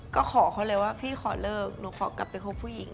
ก็ขอเขาเลยว่าพี่ขอเลิกหนูขอกลับไปคบผู้หญิง